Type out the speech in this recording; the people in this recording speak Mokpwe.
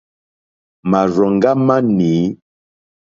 Màrzòŋɡá má nǐ.